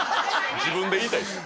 自分で言いたいです